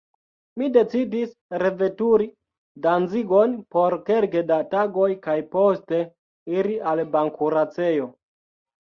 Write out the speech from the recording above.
Mi decidis reveturi Danzigon por kelke da tagoj kaj poste iri al bankuracejo.